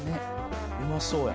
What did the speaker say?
「うまそうや」